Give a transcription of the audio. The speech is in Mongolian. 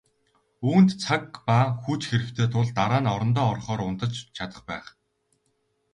Үүнд цаг ба хүч хэрэгтэй тул дараа нь орондоо орохоор унтаж чадах байх.